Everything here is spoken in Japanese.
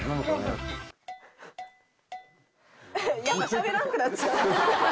しゃべらんくなっちゃう。